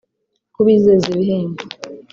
kubizeza ibihembo